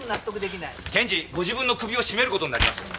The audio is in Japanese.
検事ご自分の首を絞める事になりますよ。